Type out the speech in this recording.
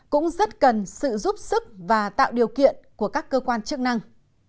cũng rất cần sự giúp sức và tạo điều kiện của các cơ quan chức năng